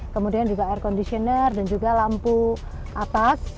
kemudian juga air conditioner dan juga lampu atas